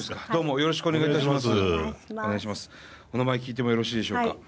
お名前聞いてもよろしいでしょうか？